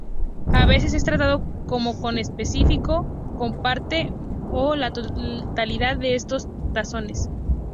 A veces es tratado como conespecífico con parte o la totalidad de esos taxones.